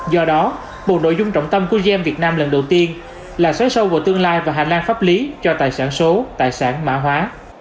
do đó một nội dung trọng tâm của gm việt nam lần đầu tiên là xoáy sâu vào tương lai và hành lang pháp lý cho tài sản số tài sản mã hóa